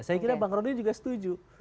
saya kira bang rodo ini juga setuju